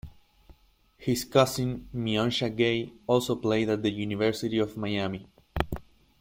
His cousin Mionsha Gay also played at the University of Miami.